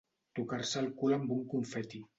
Torcar-se el cul amb un confeti.